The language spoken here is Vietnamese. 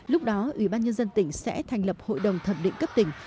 lúc đó ủy ban nhân dân tỉnh sẽ thành lập hội đồng thẩm định cấp tỉnh